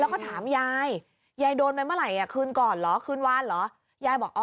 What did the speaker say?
แล้วก็ถามยายยายโดนไปเมื่อไหร่อ่ะคืนก่อนเหรอคืนวานเหรอยายบอกอ๋อ